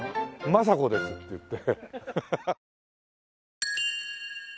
「政子です」って言って。